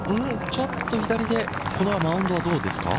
ちょっと左でマウンドはどうですか？